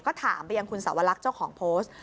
ก็ถามไปยังคุณสวรรคเจ้าของโพสต์